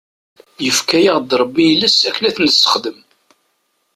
Yefka-aɣ-d Rebbi iles akken ad t-nessexdem.